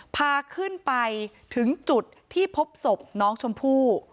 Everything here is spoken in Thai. พาขึ้นไปถึงจุดที่พบศพน้องชมพู่